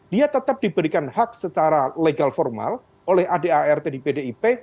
dia tetap diberikan hak secara legal formal oleh adart di pdip